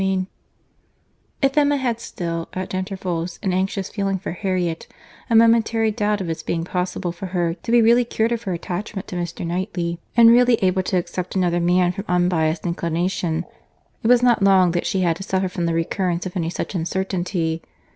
CHAPTER XIX If Emma had still, at intervals, an anxious feeling for Harriet, a momentary doubt of its being possible for her to be really cured of her attachment to Mr. Knightley, and really able to accept another man from unbiased inclination, it was not long that she had to suffer from the recurrence of any such uncertainty.